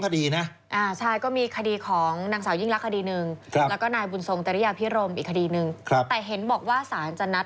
คดี๒๕ที่๒คดีนะ